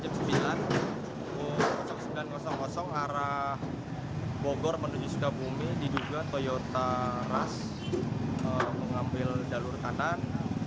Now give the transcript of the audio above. pada jam sembilan arah bogor menuju sukabumi di duga toyota rush mengambil dalur kanan